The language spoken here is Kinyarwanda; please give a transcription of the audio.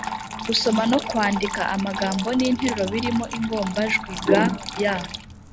gusoma no kwandika amagambo n’interuro birimo ingombajwi g, y